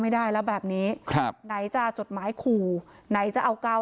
ไม่ได้แล้วแบบนี้ครับไหนจะจดหมายขู่ไหนจะเอาเก้า